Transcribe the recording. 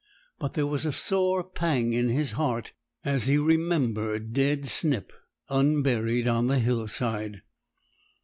But there was a sore pang in his heart, as he remembered dead Snip, unburied on the hillside.